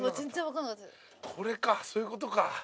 これかそういうことか。